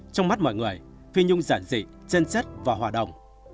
trong mắt mọi người phi nhung giản dị chân chất và hòa đồng